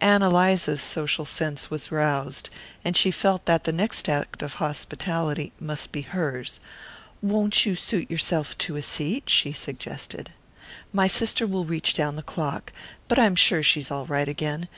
Ann Eliza's social sense was roused, and she felt that the next act of hospitality must be hers. "Won't you suit yourself to a seat?" she suggested. "My sister will reach down the clock; but I'm sure she's all right again.